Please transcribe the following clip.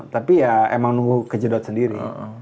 tapi ya emang nunggu kejedot sendiri